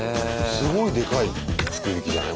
すごいでかい福引きじゃない？